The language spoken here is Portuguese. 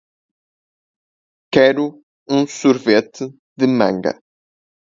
Quero um sorvete de manga